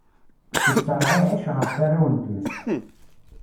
Itteṛɛiɛic ɣef warraw n tmes.